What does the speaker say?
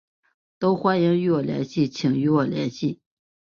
都欢迎与我联系请与我联系